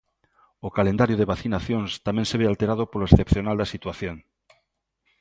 O calendario de vacinacións tamén se ve alterado polo excepcional da situación.